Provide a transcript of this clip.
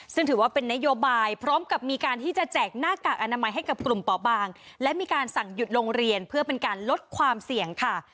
ซึ่งถือว่าเป็นนโยบายพร้อมกับมีการที่จะแจกหน้ากากอนามัยให้กับกลุ่มป่อบางและมีการสั่งหยุดโรงเรียนเพื่อเป็นการลดความเสี่ยงค่ะ